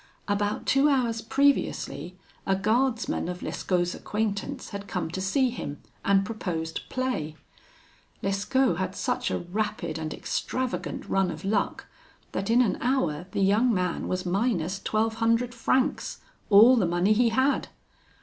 "About two hours previously, a guardsman of Lescaut's acquaintance had come to see him, and proposed play. Lescaut had such a rapid and extravagant run of luck, that in an hour the young man was minus twelve hundred francs all the money he had.